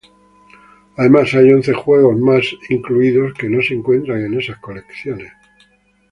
Además, hay once juegos más incluidos que no se encuentran en esas colecciones.